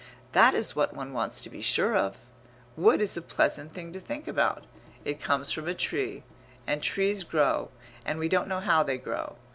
That is what one wants to be sure of.... Wood is a pleasant thing to think about. It comes from a tree; and trees grow, and we don't know how they grow.